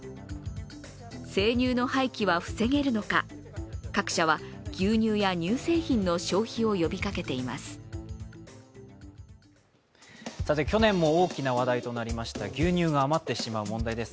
生乳の廃棄は防げるのか各社は牛乳や乳製品の消費を呼びかけています。